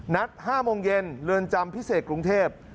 ๕โมงเย็นเรือนจำพิเศษกรุงเทพ